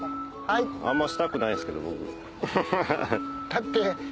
あんましたくないんすけど僕。